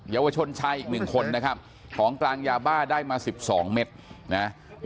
เยาวชนชายอีกหนึ่งคนนะครับของกลางยาบ้าได้มา๑๒เม็ดนะ